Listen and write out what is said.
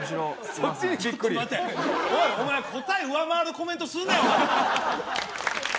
そっちにビックリおいお前答え上回るコメントすんなよ！